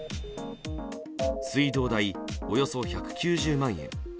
水道代、およそ１９０万円。